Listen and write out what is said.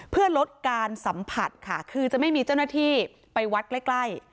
เพื่อลดการสัมผัสค่ะคือจะไม่มีเจ้าหน้าที่ไปวัดใกล้ใกล้